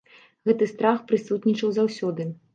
Гэты страх прысутнічаў заўсёды.